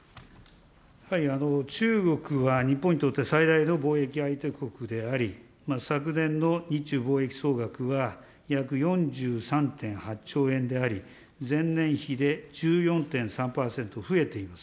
中国は日本にとって最大の貿易相手国であり、昨年の日中貿易総額は約４３．８兆円であり、前年比で１４．３％増えています。